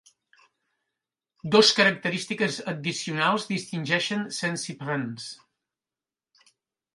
Dos característiques addicionals distingeixen Saint Cyprans.